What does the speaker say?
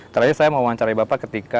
terakhir saya mau wawancari bapak ketika